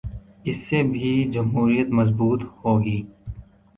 اس سے بھی جمہوریت مضبوط ہو گی۔